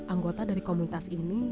anggota dari komunitas ini